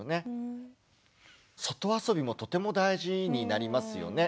外遊びもとても大事になりますよね。